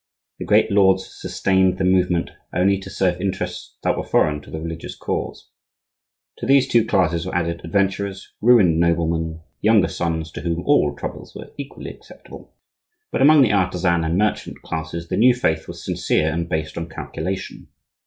The great lords sustained the movement only to serve interests that were foreign to the religious cause. To these two classes were added adventurers, ruined noblemen, younger sons, to whom all troubles were equally acceptable. But among the artisan and merchant classes the new faith was sincere and based on calculation.